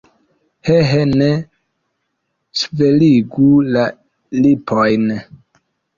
He, he, ne ŝveligu la lipojn!